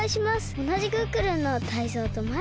おなじクックルンのタイゾウとマイカです。